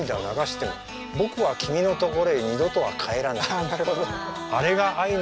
ああなるほど。